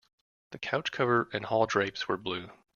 The couch cover and hall drapes were blue.